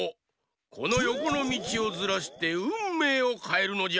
このよこのみちをずらしてうんめいをかえるのじゃ！